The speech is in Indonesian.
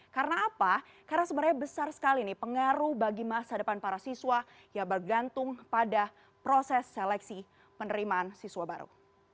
karena apa karena sebenarnya besar sekali nih pengaruh bagi masa depan para siswa yang bergantung pada proses seleksi penerimaan siswa baru